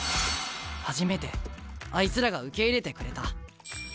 初めてあいつらが受け入れてくれた。